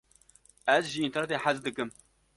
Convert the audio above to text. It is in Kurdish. Ez ji înternetê hez dikim.